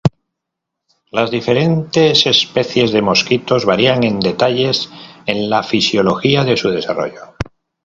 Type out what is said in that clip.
Las diferentes especies de mosquitos varían en detalles en la fisiología de su desarrollo.